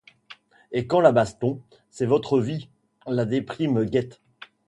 Et quand la baston, c’est votre vie, la déprime guette.